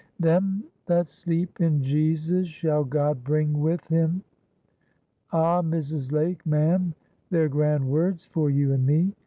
"Them that sleep in Jesus shall GOD bring with Him. Ah! Mrs. Lake, ma'am, they're grand words for you and me.